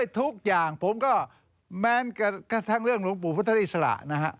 ทุกอย่างผมก็แม้กระทั่งเรื่องหลวงปู่พระทริษฐธรรม